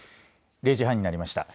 ０時半になりました。